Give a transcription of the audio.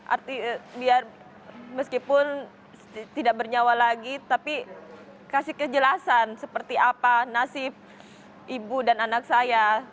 arti biar meskipun tidak bernyawa lagi tapi kasih kejelasan seperti apa nasib ibu dan anak saya